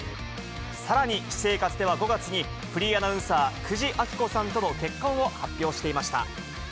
さらに私生活では、５月に、フリーアナウンサー、久慈暁子さんとの結婚を発表していました。